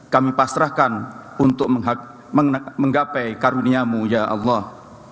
kami pasrahkan untuk menggapai karuniamu ya allah